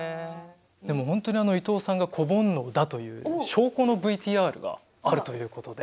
でも本当に伊東さんが子煩悩だという証拠のＶＴＲがあるということで。